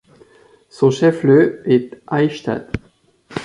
Son chef-lieu est Eichstätt.